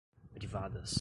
privadas